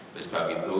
oleh sebab itu